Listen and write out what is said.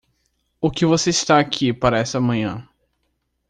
O que você está aqui para esta manhã?